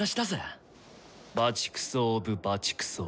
バチクソオブバチクソ。